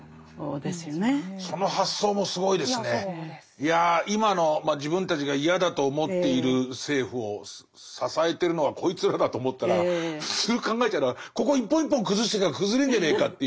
いや今の自分たちが嫌だと思っている政府を支えてるのはこいつらだと思ったら普通に考えたらここ一本一本崩していきゃ崩れんじゃねえかっていう。